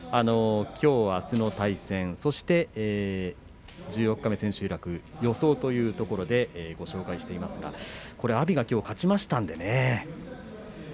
きょう、あすの対戦そして十四日目、千秋楽予想というところでご紹介していますが阿炎が勝ちましたのでね。